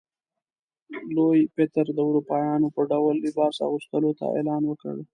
لوی پطر د اروپایانو په ډول لباس اغوستلو ته اعلان وکړ.